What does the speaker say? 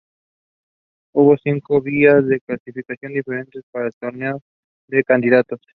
Hubo cinco vías de clasificación diferentes para el Torneo de Candidatos.